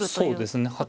そうですね。